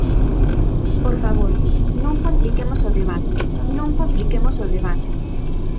Por favor, non compliquemos o debate, non compliquemos o debate.